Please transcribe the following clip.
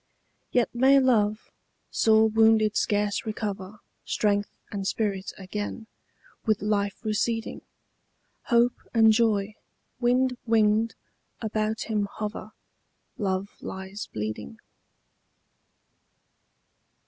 Yet may love, sore wounded scarce recover Strength and spirit again, with life receding: Hope and joy, wind winged, about him hover: Love lies bleeding.